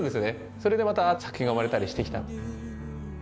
それでまた作品が生まれたりして来た。